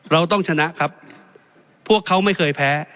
เราต้องชนะครับพวกเขาไม่เคยแพ้